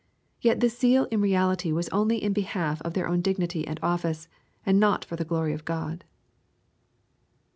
Yet this zeal in reality was only in behalf of their own dignity and office, and not for the glory of God.